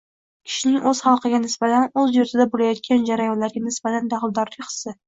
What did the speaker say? Kishining o‘z xalqiga nisbatan, o‘z yurtida bo‘layotgan jarayonlarga nisbatan daxldorlik hissi